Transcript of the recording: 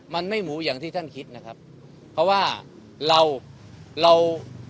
มันไม่หมูอย่างที่ท่านคิดนะครับเพราะว่าเราเรา